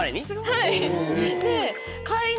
はい。